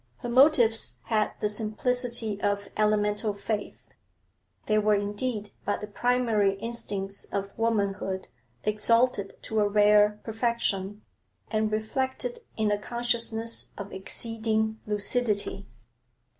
Her motives had the simplicity of elemental faith; they were indeed but the primary instincts of womanhood exalted to a rare perfection and reflected in a consciousness of exceeding lucidity.